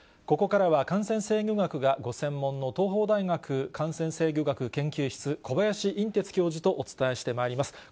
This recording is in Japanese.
ここからは感染制御学がご専門の東邦大学感染制御学研究室、小林寅てつ教授とお伝えしてまいります。